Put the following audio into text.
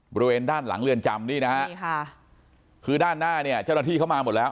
บริเวณด้านหลังเรือนจำนี่นะฮะนี่ค่ะคือด้านหน้าเนี่ยเจ้าหน้าที่เข้ามาหมดแล้ว